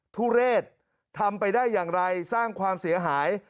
ทุเรศทำไปได้อย่างไรสร้างความเสียหาย